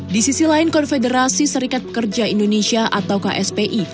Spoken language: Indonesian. di sisi lain konfederasi serikat pekerja indonesia atau kspi